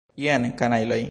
Jen, kanajloj!